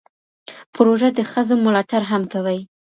پروژه د ښځو ملاتړ هم کوي.